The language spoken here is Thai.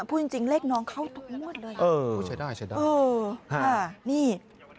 พูดจริงเลขน้องเข้าทุกมวดเลยใช้ได้ใช้ได้นี่